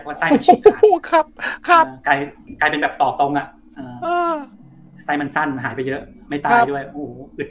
ก็มีใส้ต่อตรงอะไส้มันสั้นหายไปเยอะไม่ตายอ่ะ